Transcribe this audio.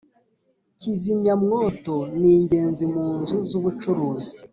Kizimya mwoto ningezi munzu zubucuruzi